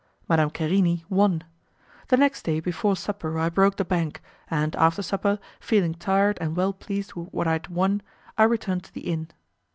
Madame Querini won. The next day before supper I broke the bank, and after supper, feeling tired and well pleased with what I had won, I returned to the inn.